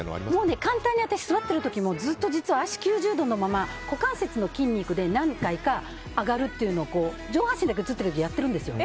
簡単に私は座ってる時もずっと実は足９０度のまま股関節の筋肉で何回か上げるというのを上半身だけ映ってる時やってるんですよ。